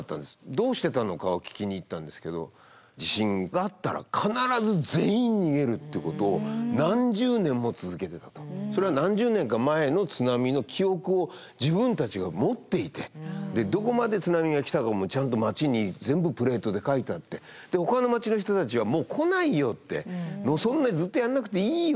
どうしてたのかを聞きに行ったんですけどそれは何十年か前の津波の記憶を自分たちが持っていてどこまで津波が来たかもちゃんと町に全部プレートで書いてあってでほかの町の人たちは「もう来ないよ」って「もうそんなずっとやんなくていいよ」って。